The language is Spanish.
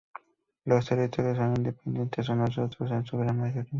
Los territorios son independientes unos de otros, en su gran mayoría.